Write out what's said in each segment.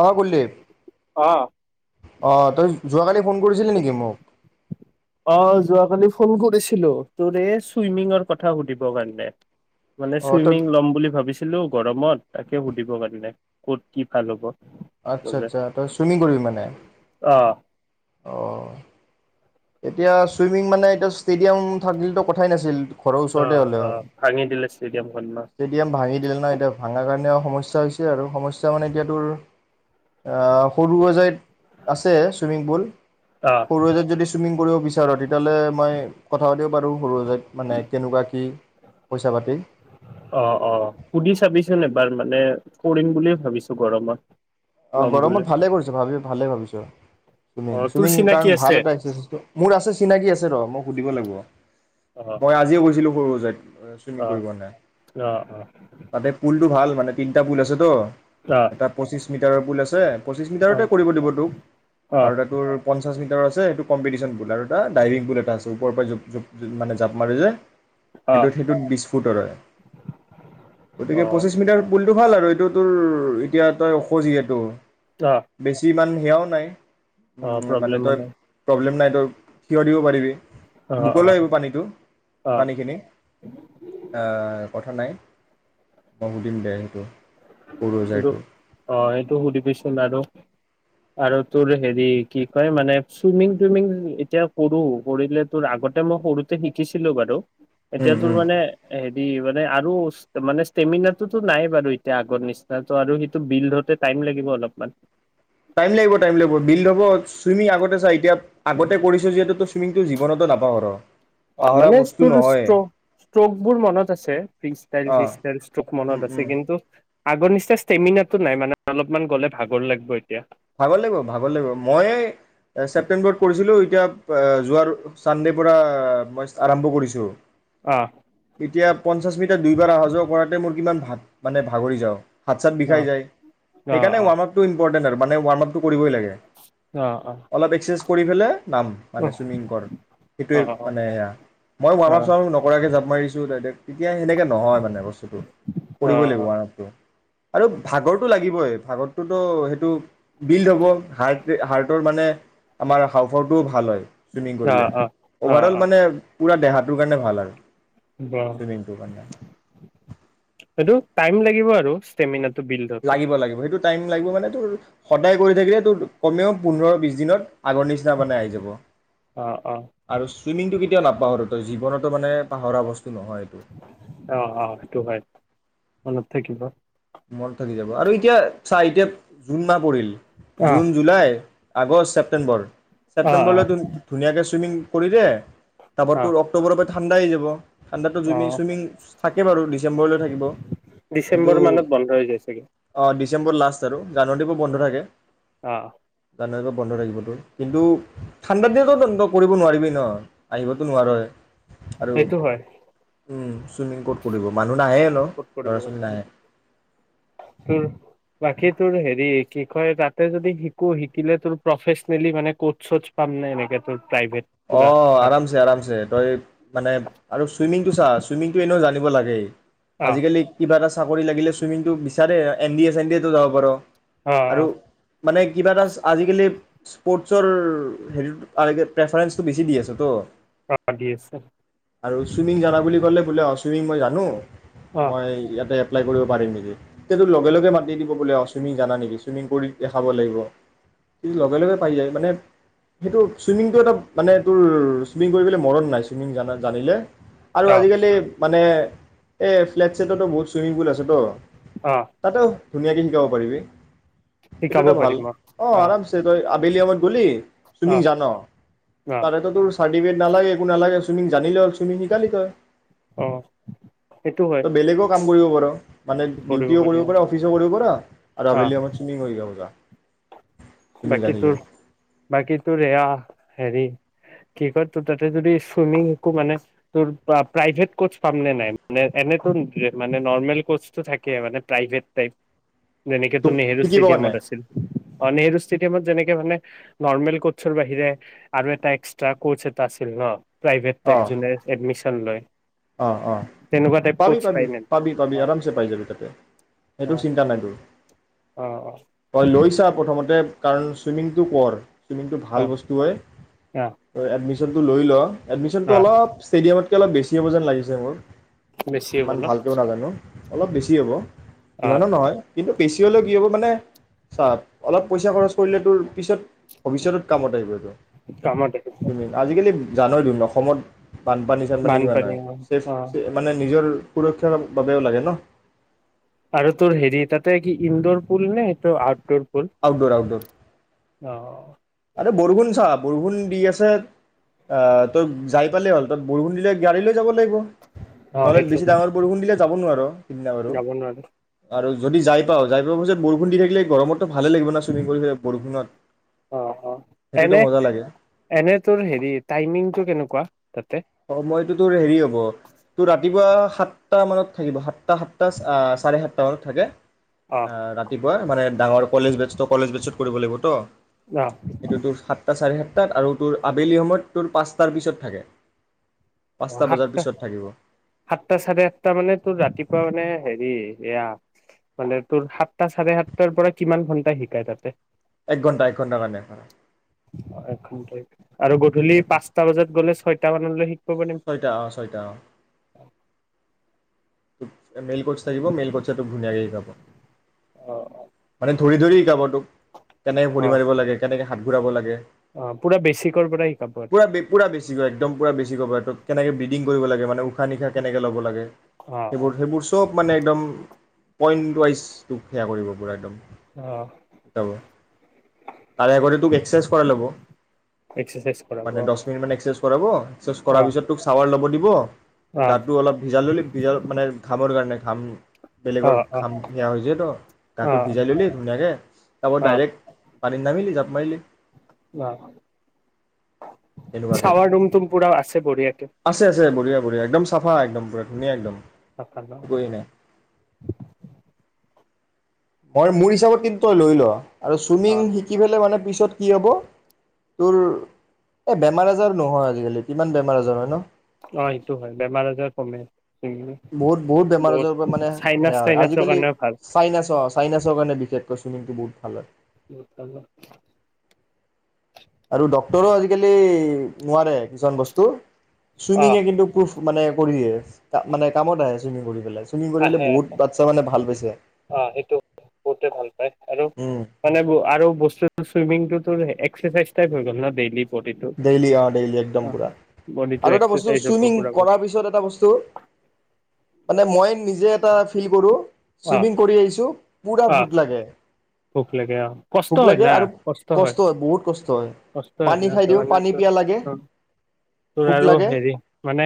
অ কুলদীপ। অঁ অ তই যোৱাকালি ফোন কৰিছিলি নেকি মোক? অ যোৱাকালি ফোন কৰিছিলো তোৰ এই চুইমিঙৰ কথা সুধিবৰ কাৰণে। মানে অ তই চুইমিং ল'ম বুলি ভাবিছোঁ। আছিলো গৰমত তাকে সুধিব কাৰণে, ক'ত কি ভাল হ'ব। আচ্ছা বোলে আচ্ছা তই চুমিং কৰিবি মানে? অ অ এতিয়া, চুইমিং মানে এতিয়া ষ্টেদিয়াম থাকিলেতো কথায়ে নাছিল ঘৰৰ অ ওচৰতে হ'লে অ হয়। ভাঙি দিলে ষ্টেডিয়ামখন ন ষ্টেদিয়াম ভাঙি দিলে না, ভাঙাৰ কাৰণেও সমস্যা সমস্যা হৈছে আৰু। সমস্যা মানে এতিয়া তোৰ, আ' সৰু সজাইত আছে- ছুইমিং পুল। অ সৰু সজাইত যদি চুইমিং কৰিব বিচাৰ, তেতিয়াহ'লে মই কথা পাতিব পাৰোঁ। সৰুসজাইত মানে কেনেকোৱা কি? পইচা-পাতি? অ' অ' সুধি চাবিচোন এবাৰ মানে, কৰিম বুলিয়ে ভাবিছোঁ গৰমত। অ' ল'ম বুলি গৰমত ভালে কৰিছ ভাবি-ভালে ভাৱিছ। অ চুইমিং- তোৰ চুইমিং চিনাকি কাৰণ ভাল আছে এটা এস্কাৰচাইজটো। মোৰ আছে চিনাকি আছে ৰ' মই সুধিব লাগিব। অ মই আজিয়ে গৈছিলো সৰুস জাইত চুইমিং অ কৰিবনে নাই। অ অ তাতে পুলটো ভাল মানে তিনিটা পুল আছে তো। অ অ এটা পঁচিছ এতিয়া আৰু পুল আছে। পঁচিছ মিটাৰতে কৰিব দিব তোক। অ আৰু তাকো পন পঞ্চাছ মিটাৰৰ আছে, সেইটো কম্পিটিচ্যন পুল আৰু এটা ডাইভিং পুল এটা আছে, ওপৰৰ পৰা মানে জপ-জপ-জাপ মাৰে যে। সেইটোত -সেইটোত বিশ ফুটৰে। অ গতিকে পঁচিশ মিটাৰ পুল তোৰ ভাল আৰু, এইটো তোৰ -এতিয়া তই ওখ যিহেতু অ বেছি ইমান সেয়াও নাই। অ উম্‌- মানে প্ৰব্লেমো তই নাই - প্ৰব্লেম নাই। থিয় দিব পাৰিবি। অ বুকলৈ অ আহিব পানীটো, অ পানীখিনি এ' কথ কথা নাই। মই সুধিম দে সেইটো। সৰুসজাইটো তই সুধিবিচোন আৰু। আৰু তোৰ হেৰি কি কয় মানে চুইমিং টুইমিং এতিয়া কৰোঁ, কৰিলে তোৰ আগতে মই সৰুতে শিকিছিলোঁ বাৰু। এতিয়া তোৰ মানে এ' ই মানে আৰু- মানে ষ্টেমিনাটোতো নাই বাৰু এতি এতিয়া আগৰ নিচিনাটো আৰু সেইটো বিল্ড হওঁতে টাইম লাগিব অলপমান। টাইম লাগিব টাইম লাগিব। বিল্ড হ'ব, ছুইমিং আগতে চা এতিয়া- আগতে কৰিছ যিহেতু তই চুইমিংটো জীৱনতো নাপাহৰ। অ' পাহৰা মানে বস্তু তোৰ নহয় ষ্ট্ৰ-ষ্ট্ৰোকবোৰ মনত আছে, ফ্ৰী ষ্টাইল শ্ৰী অঁ ষ্টাইল ষ্ট্ৰোক মনত আছ কিন্তু আগৰ নিচিনা ষ্টেমিনাটো নাই মানে অলপমান গ'লে ভাগৰ লাগব' এতিয়া। ভাগৰ লাগিব ভাগৰ লাগিব। মইয়ে-এ' ছেপ্টেম্বৰত কৰিছিলোঁ এতিয়া- যোৱাৰ চানডে পৰা মই আৰম্ভ কৰিছোঁ। আ' এতিয়া পঞ্চাছ মিটাৰ দুইবাৰ অহা যোৱা কৰাতে মোৰ কিমান ভাত্‌- মানে ভাগৰি যাওঁ। হাত-চাত অ বিষাই যায়, অ সেইকাৰণে ৱাৰ্ম আপটো ইম্পৰ্টেণ্ট আৰু। মানেৱাৰ্ম আপটো কৰিবই লাগে গে অ অ অলপ এক্সেছ কৰি পেলাই নাম মানে চুইমিং কৰ সেইটোৱে অ অ অ অ অ মানে সেয়া মই ৱাৰ্ম আপ চাৰ্ম নকৰাকৈ জাপ মাৰিছো এতিয়া সেনেকে নহয় মানে বস্তুটো অ কৰিবই লাগিব ৱাৰ্ম আপটো আৰু ভাগৰটো লাগিবই ভাগৰটোতো সেইটো বিল্ড হ'ব হাৰ্ট হাৰ্টৰ মানে আমাৰ হাউফাউটোও ভাল হয় ছুইমিং অ কৰিলে অ অভাৰঅল অ মানে পোৰা দেহা টোৰ কাৰণে ভাল আৰু ব চুইমিংটোৰ কাৰণে এইটো টাইম লাগিব আ ৰু ষ্টেমিনাৰ বিল ধৰোতে লাগিব লাগিব সেইটো টাইম লাগিব মানে তোৰ সদায় কৰি থাকিলে তোৰ কমেও পোন্ধৰ বিশ দিনত আগৰ নিচিনা মানে আহি যাব অ অ আৰু ছুইমিংটো কেতিয়াও নাপাহৰো তই জীৱনটো মানে পাহৰা বস্তু নহয় এইটো অহ অ সেইটো হয় মনত থাকিব মনত থাকি যাব আৰু এতিয়া চাহ এতিয়া জোন মাহ পৰিল অ অ জুন-জুলাই আগষ্ট, ছেপ্তেম্বৰ, অ ছেপ্টেম্বৰলৈ ধুনীয়াকে চুইমিং কৰি দে! তপত অ তোৰ অক্টোবৰত ঠাণ্ডা হৈ যাব ঠাণ্ডাতো অ জুইমিং-চুইমিং থাকে বাৰু ডিচেম্বৰলৈ থাকিব কিন্তু ডিচেম্বৰ মানত হৈ যায় ছাগে অঁ ডিচেম্বৰ লাষ্ট আৰু জাননবোৰ বন্ধ থাকে অ গানৰিব বন্ধ থাকিবতো কিন্তু ঠাণ্ডাৰ দিনতো কৰিব নোৱাৰিবি ন আহিবতো নোৱাৰে এইটো হয় উম চুইমিং কোট খুলিব মানে মানুহ নাহে হলও ক'ত কৰিব ল'ৰা পাৰি ছোৱালী নাহে তোৰ বাকী তোৰ হেৰি কি কয় তাতে যদি শিকো শিকিলে তোৰ প্ৰফেচনেলি মানে কোচ চচ পাম নে এনেকে তোৰ প্ৰাইভেট অ পুৰা তাত? আৰামছে আৰামছে তই মানে আৰু চুইমিং টো চা চুইিংটো এনেও জান আনিব লাগেই অ আজিকালি কিবা এটা চাকৰি লাগিলে চুইমিং টো বিচাৰে এনডিএ চেনডি এ তো যাব পাৰ। অ' আৰু অ' মানে কিবা এটা আজিকালি স্পৰ্টছৰ হেৰিটো প্ৰেফাৰেঞ্চটো বেছি দি আছে তো। অ' দি আছে। আৰু চুইমিং জানা বুলি ক'লে বোলে, অ' চুইমিং মই জানো অ মই ইয়াতে এপ্লাই কৰিব পাৰিম নেকি, তেতিয়াতো লগে লগে মাতি দিব, বুলি চুইমিং জানা নেকি? চুইমিং কৰি দেখাব লাগিব, লগে লগে পাই যায় যে। টো এটা মানে, তোৰ চুইমিং কৰিবলৈ মৰণ নাই চুইমিং জানিলে আৰু অ আজিকালি মানে এই ফ্লেট শ্লেটতো বহুত ছুইমিং পুল আছেতো! অ তাতো ধুনীয়াকে শিকাব পাৰিবি। এইটো এটা ভাল, অ, আৰামছে তই বেলিয়িব গ'লি, অ চুইমিং জান অ তাৰে তো তোৰ চৰ্টফিকেত নালাগে, একো নালাগে, চুইমং জানিলেই হ'ল, চুইমং শিকালি তই। অ' সেইটো হয়। তই বেলেগো কাম কৰিব পাৰ মানে ডিউটিও কৰিব পাৰা অফিচও কৰিব পাৰা আৰু অ আবেলি সমত চুইমিং কৰি যা যা চুইমিং বাকী জানি তোৰ, যায় বাকী তোৰ এয়া হেৰি কি কয়, তোৰ তাতে চুইমিং শিকো, মানে তোৰ প্ৰভেট কোচ পামনে নাই? মানে এনেতো মানে নৰ্মেল কোচটো থাকে মানে প্ৰাইভেট টাইপ যেনেকে তোক তুমি নেহেৰু শিকিব কাৰণে ষ্টেডিয়ামত আছিল। অ' নেহেৰু ষ্টে ষ্টেডিয়ামত যেনেকে মানে নৰ্মেল কোচৰ বাহিৰে আৰু এটা এক্সট্ৰা কোচ এটা আছিল ন? প্ৰাইভেট অ টাইপ যোনে এডমিচন ন লৈ অ', অ' পাবি-পাবি, নে পাবি-পাবি অ আৰামচে পাই যাবি তাতে অ সৈতে চিন্তা নাইতো, অ তই লৈছা প্ৰথতাও। কাৰণ স্বিমিংটো কৰ। স্বিমিংটো ভাল অ অ বস্তু হৈ, অ এ এডমিশ্যন জল্দি লৈ লো এডমিশ্যনতেওঁ অ অলপ ষ্টেডিয়ামত অলপ বেছি কি হব যেন লাগিছে মোৰ, বেছি হ'ব ইমান ন ভালেকেও নাজানো। অলপ বেছি হ'ব। অ ইমানো নহয় কিন্তু বেচিহলে কি হ'ব মানে সা অলপ পইচা খৰচ কৰিলে তোৰ পিছত ভবিছতৰ কাম আহিব তোৰ। কামত [unintelligible] আজিকালি। জনোৱাইটো অসমত বানপানী সংপানি কিমান অ', বানপানী সাই অ সাই মানে নিজৰ সুৰক্ষাৰ বাবেও লাগে ন। আৰু তেওঁৰ হেৰি তাতে কি ইন্দুৰ পুল নে আউটডোৰ পুল? Outdoor outdoor. অ' বৰসুঞ্চা বৰষূণ দি আছে, অ', টোক জাই পালেই হ'ল, তাত বৰষূণ দিলে গাড়ী লৈ যাব লাগিব। অ নহলে সেইটো বেছি ডাঙৰ বৰষুণ দিলে যাব নোৱাৰো সেইদিনা বাৰু যাব নোৱাৰো আৰু যদি যাই পাওঁ জাইপাইও মাজত বৰষুণ দি থাকিলে গৰমত্তি ভালেই লাগিব না চুইমিং কৰি বৰষুণত। অ', অ', সেইটোতো এনে মজা লাগে এনে তোৰ হেৰি তাইমিংটো কেনেকুৱা? তাতে? সমইটোটো হেৰি হব তোৰ ৰাতিপুৱা সাতটা মানত থাকিব সাত সাতটা সাতটা, সৰে সাতটা মানত থাকে। অ', ৰাতিপুৱা মানে ডাঙৰ কলেজ বেষ্ট কলেজ পিছত কৰিব লাগিব তেওঁ। অ হাইটুটো সাতটা চাৰি সাতটা সাতটা আৰু তোৰ আবেলি সময়ত তোৰ পাঁচটাৰ পিছত থাকে পাঁচটা অ', বজাৰ সাতটা, পিছত থাকিব সাতটা চাৰে আাতটা মানে তোৰ ৰাতিপুৱা মানে হে এ, এয়া মানে তোৰ সাতটা চাৰে সাতটাৰ পৰা কিমান ঘণ্টা শিকাই তাতে? এক ঘণ্টা, এক ঘণ্টা কাৰানো। একঘণ্টা আৰু গধূলি এক পাঁচটা বজাত গ'লে সৈত বানলৈ শ ছয়টা অঁ ছয়টা অঁ অ মেইল কৰচ আহিব মেইল কচাটো ধুনীয়াক শিকাব অ মানে ধৰি ধৰি গাবটোক কেনেকে অ ঘুৰি মাৰিব লাগে কেনেকে হাত ঘূৰাব লাগে অ পুৰা বেচিকৰ পৰা শিকাব আৰু পুৰা পুৰা বেছি কৈ একদম পুৰা বেছি কৈ পাৰে তোক কেনেকে ব্ৰিডিং কৰিব লাগে মানে উশাহ নিশা কেনেকৈ ল'ব লাগে? অ অ সেইবোৰ সেইবোৰ চব মানে একদম পইণ্ট ৱাইজটোক সেয়া কৰিব পূৰা একদম অ তাৰে আগতে তোক এক্সাৰচাইজ কৰা ল'ব এক্সাৰচাইজ কৰাব মানে অ দহ মিনিট মান এক্সাৰাইজ কৰাব অ কৰাৰ পিছত তোক চাৱাৰ ল'ব দিম শব অ দাঁতটো অলপ ভিজাই ল'লে ভিজা ঘামৰ কাৰণে খাম অ বেলেগৰ অ খাম সেয়া হৈ য তো গাটো অ ভিজাই ললি ধুনীয়াকে তপ অ ডাইৰেক্ট পানীত নামিলি জাপ মাৰিলি অ তেনেকুৱাকে চাৱাৰ ৰুম তো পুৰা আছে বঢ়িয়াক বঢ়া বঢ়িয়া একদম চা একদম পুৰা ধুনীয়া একদম একো হেৰি নাই [inaudible] মই, মোৰ হিচাপত কিন্তু তই লৈ ল। আৰু অ চুইমিং শিকি পেলেই মানে তাৰ পিছত কি হ'ব? তোৰ এই বেমাৰ-আজাৰ নহয়, আজিকালি কিমান বেমাৰ-আজাৰ হয় ন? অ, সেইটো হয়। বেমাৰ-আজাৰ কমে। উম বহুত, বহুত বেমাৰ-আজাৰৰ পৰা মানে, চাইনাচ সেয়া হয়। চাইনাচৰ আজিকালি, কাৰণেও ভাল চাইনাচ অ' চাইনাছৰ কাৰণে বিশেষকৈ ছুইমিংটো বহুত ভাল হয়। [inaudible] আৰু ডক্তৰো আজিকালি নোৱাৰে, কিছুমান বস্তু। অ চুইমিঙে কিন্তু প্ৰোফ, মানে কৰি দিয়ে। কা, মানে কামত আহে চুইমিং কৰি পেলায়। চুইমিং কৰি পেলাই আহে বহুত বাচ্ছা মানে ভাল পাইছে। অ সেইটো বহুতে ভাল পায় আৰু মানে ব, আৰু বস্তুটো চুইমিংটোত তোৰ এক্সেচাইজ টাইপ হৈ গ'ল ন ডেইলি। বডিটো ডেইলি, অ, ডেইলি একদম পুৰা। অ', বডিটো আৰু এটা বস্তু, এক্সাৰচাইজ হ'ব চুইমিং পুৰা কৰাৰ পিছত এটা বস্তু, মানে মই নিজে এটা ফিল কৰোঁ, অ ছুইমিং কৰি আহিছোঁ পোৰা অ ভোক লাগে। ভোক লাগে অ'। কষ্ট ভোক হয় লাগে না আৰু কষ্ট হয়। বহুত কষ্ট হয় কষ্ট হয় পানী না খাই দিওঁ পানী পিয়াহ লাগে [unintelligible] তোৰ ভোক আৰু লাগে হেৰি, মানে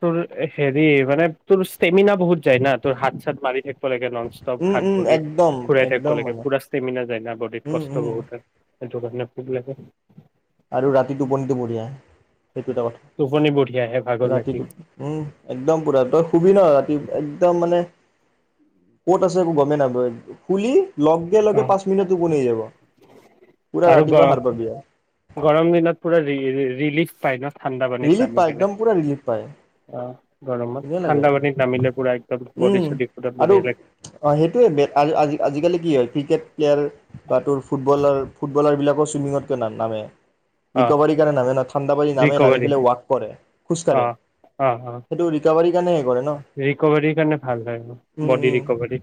তোৰ, হেৰি মানে তোৰ ষ্টেমিনা বহুত যায় ন, তোৰ হাত-চাত মাৰি থাক [unintelligible] নন ষ্টপ উম হাত উম ভৰি একদম ঘূৰাই থাকিব একদম লাগে। মানে পোৰা ষ্টেমিনা যায় না ব'ডিত, উম কষ্ট উম বহুত হয়। [inaudible] আৰু ৰাতি টোপনীটো বঢ়িয়া আহে, সেইটো এটা টোপনি বঢ়িয়া আহে ভাগৰ কথা। লাগি ৰাতিটো, উম, একদম পুৰা। তই শুবি ন, ৰাতি একদম মানে ক'ত আছে একো গমেই নাপায়। শুলি? লগে, লগে অ পাঁচ মিনিটত টোপনি আহি যাব। পুৰা আৰু গ ৰাতিপুৱা সাৰ পাবি আৰু। গৰম দিনত পুৰা ৰি, ৰি, ৰি-ৰিলিফ পায় ন। ঠাণ্ডা পানীত ৰিলিফ নামি পায়, কেনে একদম পুৰা ৰিলিফ পায়। অ গৰমত ধুনীয়া লাগে। ঠাণ্ডা পানীত নামিলে পুৰা একদম বডি উম চডি পুৰা আৰু বঢ়িয়া অ, লাগে সেইটোৱেই বে, আ, আ-আজিকালি কি হয়? ক্ৰিকেট প্লেয়াৰ বা তোৰ ফুটবলাৰ। ফুটবলাৰ বিলাক আকৌ ছুইমিংতটো না-নামে। অ ৰিক'ভাৰি কাৰণে নাযায় ন, ঠাণ্ডা [unintelligible] ৰিকভাৰী এইফালে ৱক কৰে অ খোজকাঢ়ে অ অ সেইটো ৰিকাভাৰী ৰিকভাৰীৰ কাৰণে ভাল হয় উম বডি উম ৰিকভাৰী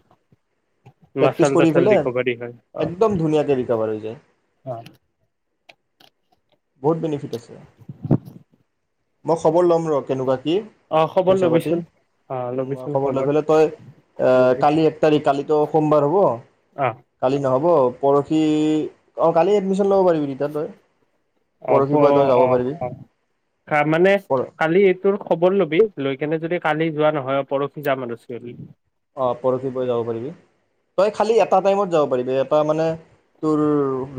প্ৰেক্টিচ মাচাল কৰি তাচাল পেলাই ৰিকভাৰী হয় অ একদম ধুনীয়াকে ৰিকভাৰ হৈ যায় অ বহুত বেনিফিট আছে মই খবৰ ল'ম ৰ কেনেকুৱা কি অ খবৰ পইচা পাতি লবিচোন অ লবিচোন খবৰ লৈ পেলাই তই লবি কালি এক তাৰিখ কালিতো সোমবাৰ হ'ব অ কালি নহ'ব পৰহি অ কালি এডমিশ্যন ল'ব পাৰিবি তেতিয়া তই অ প পৰহি পৰা তই যাব অ পাৰিবি অ মানে পৰ কালি এইটোৰ খবৰ লবি লৈ কেনে যদি কালি যোৱা নহয় পৰহি যাম আৰু ছোইগী অ পৰহি পৈ যাব পাৰিবি তই খালি এটা টাইমত যাব পাৰিবি এটা মানে তোৰ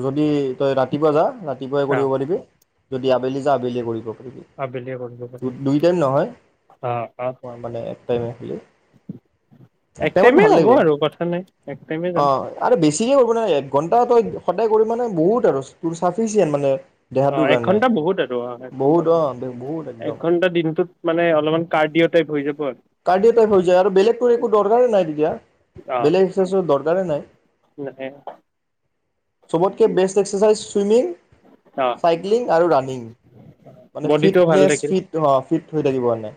যদি তই ৰাতিপুৱা যা ৰা ৰাতিপুৱাই অ কৰিব পাৰিবি যদি আবেলি যা আবেলিয়ে কৰিব আবেলিয়ে কৰিব পাৰিম দুই টাইম নহয় অ অ মানে এক টাইমে খি এত এক টাইমত টাইমে ভাল হ'ব লাগিব আৰু কথা নাই এক টাইমে অ যাম আৰু বেছিকে কৰিব ন এক ঘন্টা ত সদায় কৰি মানে বহুত আৰু তোৰ চাফিচিয়েণ্ট মানে অ দেহাটোৰ কাৰণে একঘন্টা বহুত আৰু অ একঘন্টা বহুত অ বহুত একদম একঘন্টা দিনটোত মানে অলপমান কাৰ্ডিঅ টাইপ হৈ যাব অ অ কাৰ্ডিঅ' টাইপ হৈ যায় আৰু বেলেগটো একো দৰকাৰ নাই তেতিয়া বেলেগ এক্সাৰচাইজ দৰকাৰেই নাই চবতকৈ বেষ্ট এক্সাৰচাইজ ছুইমিং চাইক্লিং আৰু ৰানিিং মানে বডিটো ভাল ফিটনেছ থাকিল ফিট ফিট হৈ থাকিব মানে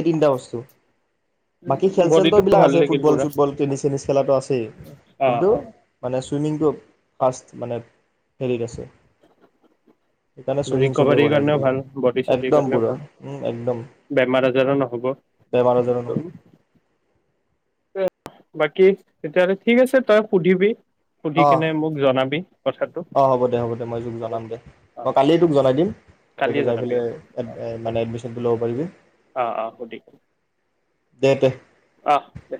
এই তিনিটা বস্তু বাকী খেল বডিটো চেলটো ভাল আছে থাকিল ফুটবল পুৰা চুটবল টেনিছ চেনিছ খেলাটো আছেই অ কিন্তু অ মানে ছুইমিংটো ফাষ্ট মানে হেৰিত আছে সেইকাৰণে চুইমিং চবেই ৰিকভাৰীৰ কৰে কাৰণেও আজিকালি ভাল বডি চটিৰ একদম কাৰণেও পুৰা ভাল উম একদম বেমাৰ আজাৰো নহ'ব বেমাৰ আাজাৰো নহয় বাকী তেতিয়াহ'লে ঠিক আছে তই সুধিবি সুধি অঁ কিনে মোক জনাবি কথাটো অঁ হ'ব দে হ'ব দে মই তোক জনাম দে অ মই কালিয়ে তোক জনাই দিম তই কালিয়ে যাই জনাবি পেলাই অ মানে এডমিশ্যনটো ল'ব পাৰিবি অ অ দে তে অঁ দে